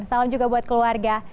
salam juga buat keluarga